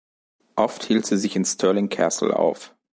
Oft hielt sie sich in Stirling Castle auf.